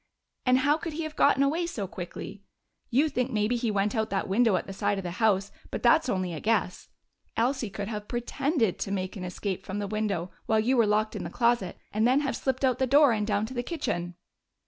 And how could he have gotten away so quickly? You think maybe he went out that window at the side of the house, but that's only a guess. Elsie could have pretended to make an escape from the window while you were locked in the closet and then have slipped out the door and down to the kitchen."